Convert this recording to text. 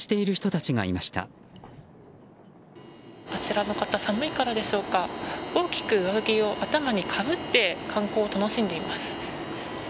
あちらの方寒いからでしょうか大きく上着を頭にかぶって観光を楽しんでいます。